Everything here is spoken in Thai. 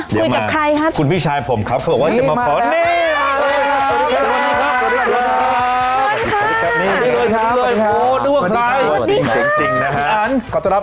เนี้ยคะคุยกับใครครับคุณพี่ชายผมครับเขาบอกว่าจะมาขอนี่สวัสดีครับ